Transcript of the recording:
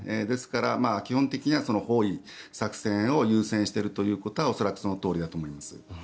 ですから、基本的な包囲作戦を優先しているということは恐らく、そのとおりだと思います。